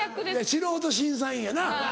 素人審査員やな。